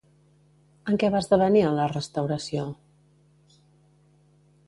En què va esdevenir en la restauració?